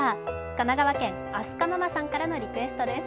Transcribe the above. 神奈川県、あすかママさんからのリクエストです。